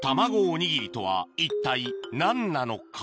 おにぎりとは一体何なのか？